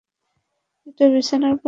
এটা বিছানার পাশে আছে।